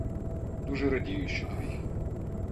Дуже радію, що твій.